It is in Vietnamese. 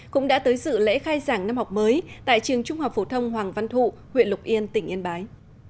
cũng đã tới dự lễ khai giảng năm học mới tại trường trung học phổ thông hoàng văn thụ huyện lục yên tỉnh yên bái